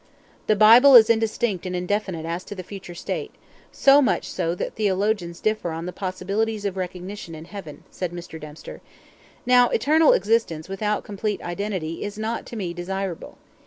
"The Bible is indistinct and indefinite as to the future state so much so that theologians differ on the possibilities of recognition in heaven," said Mr. Dempster. "Now, eternal existence without complete identity is not to me desirable.